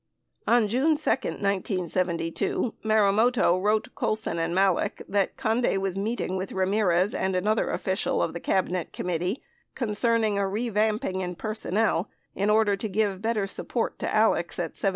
21 On June 2, 1972, Marumoto wrote Colson and Malek that Conde was meeting with Ramirez and another official of the Cabinet Com mittee concerning "a revamping in personnel in order to give better support to Alex at 1701."